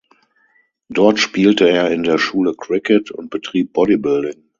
Dort spielte er in der Schule Cricket und betrieb Bodybuilding.